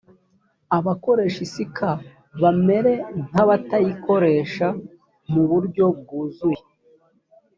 abakoresha isi k bamere nk abatayikoresha mu buryo bwuzuye